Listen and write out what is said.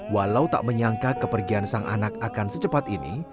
walau tak menyangka kepergian sang anak akan secepat ini